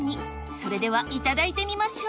それではいただいてみましょう